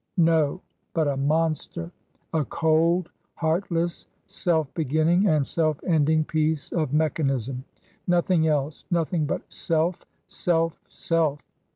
No; but a monster I A cold, heartless, self beginning and self ending piece of mechanism I Nothing else; nothing but self, self, self!